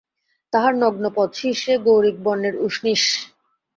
তাঁহার নগ্ন পদ, শীর্ষে গৈরিকবর্ণের উষ্ণীষ।